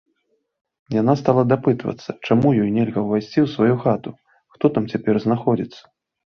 Яна стала дапытвацца, чаму ёй нельга ўвайсці ў сваю хату, хто там цяпер знаходзіцца.